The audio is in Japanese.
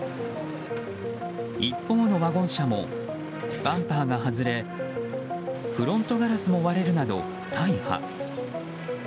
一方のワゴン車もバンパーが外れフロントガラスも割れるなど大破。